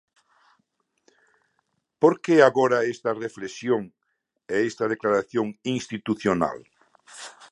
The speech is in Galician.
Por que agora esta reflexión e esta declaración institucional?